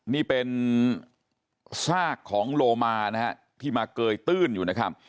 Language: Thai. นี่เป็นซากของโลมานะฮะที่มาเกยตื้นอยู่นะครับ